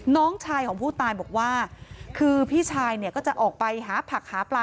น้องชายของผู้ตายบอกว่าคือพี่ชายเนี่ยก็จะออกไปหาผักหาปลา